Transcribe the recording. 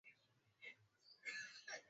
emanuel makundi ameaanda taarifa